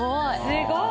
すごい。